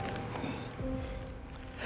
berbincang sama saya ini